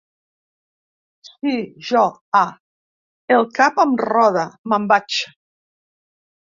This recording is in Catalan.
Sí, jo. Ah! El cap em roda! Me'n vaig.